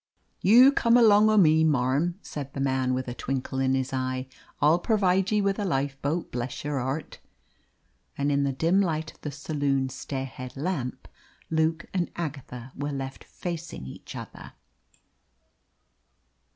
"You come along o' me, marm," said the man, with a twinkle in his eye. "I'll pervide ye with a lifeboat, bless yer heart!" And in the dim light of the saloon stairhead lamp, Luke and Agatha were left facing each other.